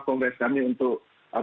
kongres kami untuk